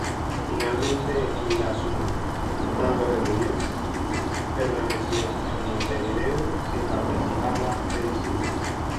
Finalmente, la sumaca "Madre de Dios" permaneció en Montevideo sin participar de la expedición.